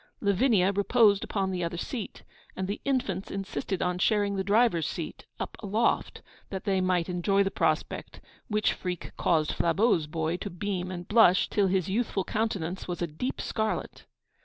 Lavinia reposed upon the other seat; and the infants insisted on sharing the driver's seat, up aloft, that they might enjoy the prospect, which freak caused Flabeau's boy to beam and blush till his youthful countenance was a deep scarlet.